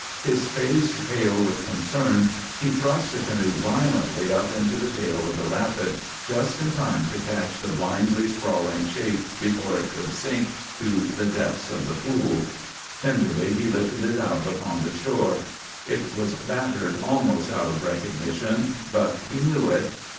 His face pale with concern, he thrust the canoe violently up into the tail of the rapid, just in time to catch the blindly sprawling shape before it could sink to the depths of the pool. Tenderly he lifted it out upon the shore. It was battered almost out of recognition, but he knew it.